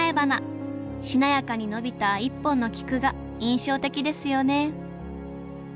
しなやかに伸びた１本の菊が印象的ですよね